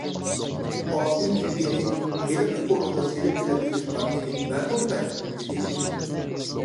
- ئالتە يىل ئىلگىرى ھېلىقى قورۇدا سېلىم بىلەن ئېلىشقان ھىمىت مەن بولىمەن!،- دېدى ھىمىت.